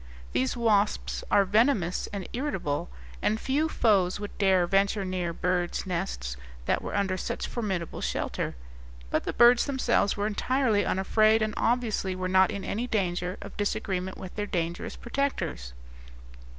These wasps are venomous and irritable, and few foes would dare venture near bird's nests that were under such formidable shelter; but the birds themselves were entirely unafraid, and obviously were not in any danger of disagreement with their dangerous protectors.